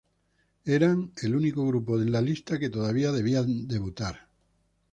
Eran el único grupo en la lista que todavía debía debutar.